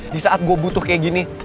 di saat gue butuh kayak gini